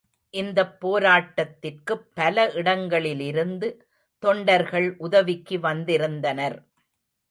இந்தப் போராட்டத்திற்குப் பல இடங்களிலிருந்து தொண்டர்கள் உதவிக்கு வந்திருந்தனர்.